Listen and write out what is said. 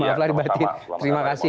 maaflah dibatir terima kasih